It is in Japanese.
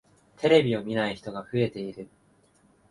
テレビを見ない人が増えている。